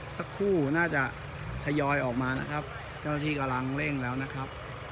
สักครู่น่าจะทยอยออกมานะครับเจ้าหน้าที่กำลังเร่งแล้วนะครับ